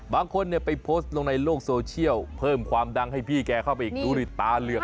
บางคนเนี่ยไปโพสต์ลงในโลกโซเชียลเพิ่มความดังให้พี่แกเข้าไปดูนี่ตาเหลือก